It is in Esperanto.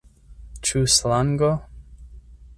Ĉu slango?